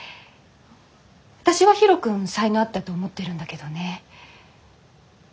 私はヒロ君才能あったと思ってるんだけどね。